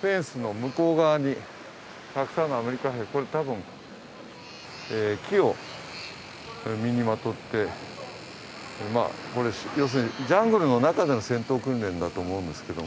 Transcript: フェンスの向こう側に、たくさんのアメリカ兵、たぶん、木を身にまとって、ジャングルの中での戦闘訓練だと思うんですけど。